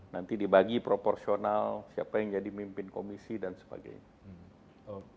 nanti dibagi proporsional siapa yang jadi mimpin komisi dan sebagainya